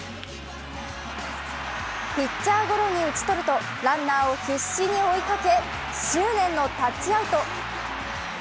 ピッチャーゴロに打ち取ると、ランナーを必死に追いかけ執念のタッチアウト。